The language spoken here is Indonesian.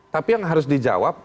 tapi yang harus dijawab